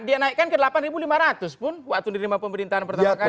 dia naikkan ke delapan ribu lima ratus pun waktu menerima pemerintahan pertama kali